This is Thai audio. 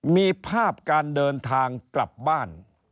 มีภาพการเดินทางกลับบ้าน